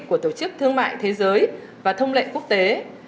của tổ chức thương mại thế giới và thông lệ quốc tế